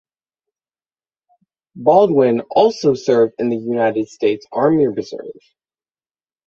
Baldwin also served in the United States Army Reserve.